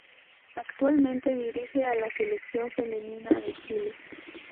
Actualmente, dirige a la Selección femenina de Chile.